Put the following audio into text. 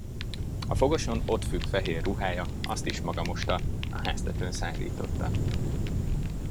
A fogason ott függ fehér ruhája, azt is maga mosta, a háztetőn szárította.